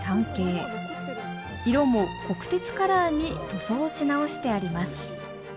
色も国鉄カラーに塗装し直してあります。